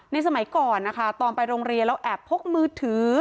สมัยก่อนนะคะตอนไปโรงเรียนแล้วแอบพกมือถือ